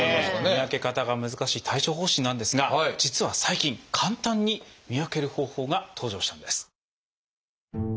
見分け方が難しい帯状疱疹なんですが実は最近簡単に見分ける方法が登場したんです。